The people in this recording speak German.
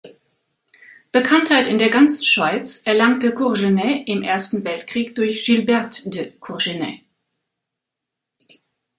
Bekanntheit in der ganzen Schweiz erlangte Courgenay im Ersten Weltkrieg durch Gilberte de Courgenay.